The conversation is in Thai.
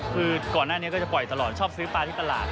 คือก่อนหน้านี้ก็จะปล่อยตลอดชอบซื้อปลาที่ตลาด